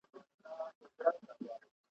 ننګ پر وکه بیده قامه ستا په ننګ زندان ته تللی ,